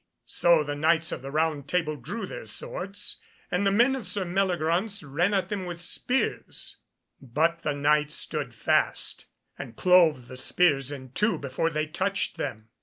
So the Knights of the Round Table drew their swords, and the men of Sir Meliagraunce ran at them with spears; but the Knights stood fast, and clove the spears in two before they touched them.